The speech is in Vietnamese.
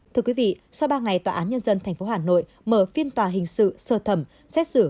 thưa quý vị sau ba ngày tòa án nhân dân tp hà nội mở phiên tòa hình sự sơ thẩm xét xử